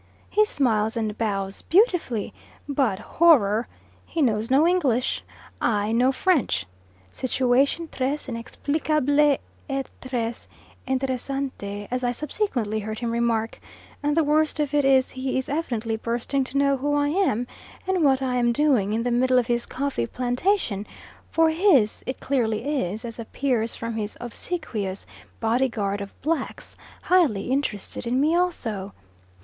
He smiles and bows beautifully, but horror! he knows no English, I no French. Situation tres inexplicable et tres interessante, as I subsequently heard him remark; and the worst of it is he is evidently bursting to know who I am, and what I am doing in the middle of his coffee plantation, for his it clearly is, as appears from his obsequious bodyguard of blacks, highly interested in me also.